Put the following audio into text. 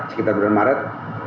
sekitar bulan maret